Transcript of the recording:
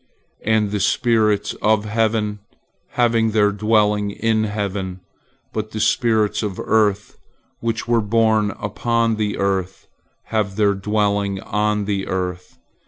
And the spirits of heaven have their dwelling in heaven, but the spirits of the earth, which were born upon the earth, have their dwelling on the earth.